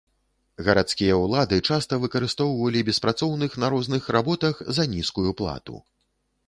Гарадскія ўлады часта выкарыстоўвалі беспрацоўных на розных работах за нізкую плату.